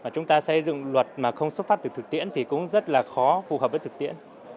chúng ta xây dựng luật mà không xuất phát từ thực tiễn thì cũng rất là khó phù hợp với thực tiễn